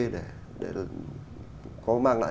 để có mang lại